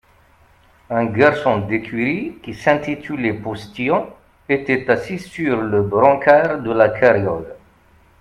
Un garçon d'écurie qui s'intitulait postillon était assis sur le brancard de la carriole.